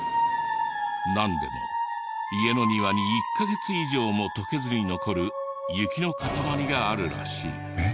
なんでも家の庭に１カ月以上も溶けずに残る雪の塊があるらしい。